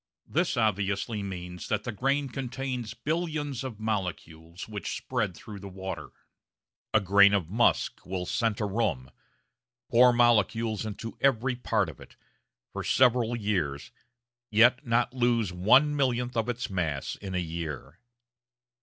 This obviously means that the grain contains billions of molecules which spread through the water. A grain of musk will scent a room pour molecules into every part of it for several years, yet not lose one millionth of its mass in a year.